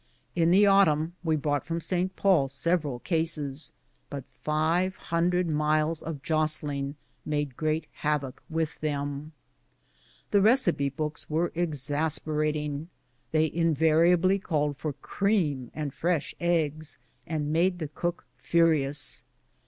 In the autumn we brought from St. Paul several cases, but five hundred miles of jostling made great havoc with them. The receipt books were exasperating. They invari ably called for cream and fresh eggs, and made the cook furious.